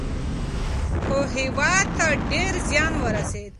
خو هیواد ته ډیر زیان ورسېد.